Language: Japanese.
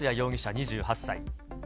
２８歳。